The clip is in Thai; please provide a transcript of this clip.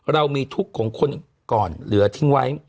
เรามีทุกข์ของคนก่อนเหลือทิ้งไว้